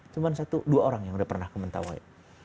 cuma satu dua orang yang udah pernah ke mentawai